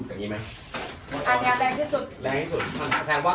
อันนี้แรงที่สุด